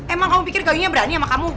emang kamu pikir kayaknya berani sama kamu